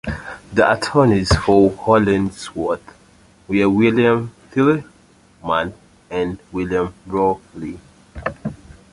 The attorneys for Hollingsworth were William Tilghman and William Rawle.